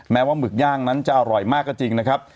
ว่าหมึกย่างนั้นจะอร่อยมากก็จริงนะครับ